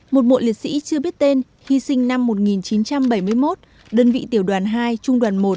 một mộ liệt sĩ chưa biết tên hy sinh năm một nghìn chín trăm bảy mươi một đơn vị tiểu đoàn hai trung đoàn một